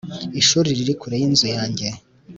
ishuri riri kure yinzu yanjye